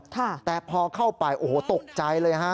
แต่พอเข้าไปโอ้โหตกใจเลยฮะ